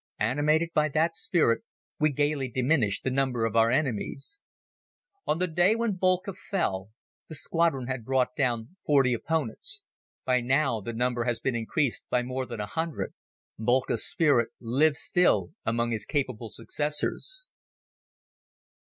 Animated by that spirit we gaily diminished the number of our enemies. On the day when Boelcke fell the squadron had brought down forty opponents. By now the number has been increased by more than a hundred. Boelcke's spirit lives still among his capable successors.